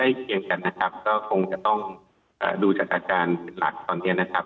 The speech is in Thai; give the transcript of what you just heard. เคียงกันนะครับก็คงจะต้องดูจากอาการหลักตอนนี้นะครับ